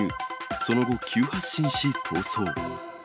その後、急発進し逃走。